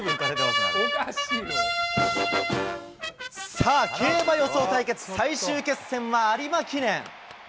さあ、競馬予想対決、最終決戦は有馬記念。